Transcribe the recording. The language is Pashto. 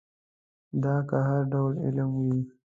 دا که هر ډول علم وي.